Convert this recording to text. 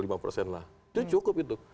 itu cukup itu